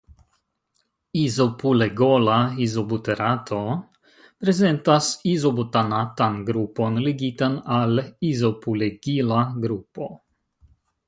Izopulegola izobuterato prezentas izobutanatan grupon ligitan al izopulegila grupo.